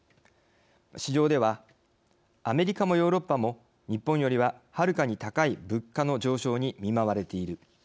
市場では「アメリカもヨーロッパも日本よりは、はるかに高い物価の上昇に見舞われている。